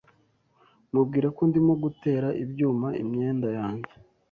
Mubwire ko ndimo gutera ibyuma imyenda yanjye.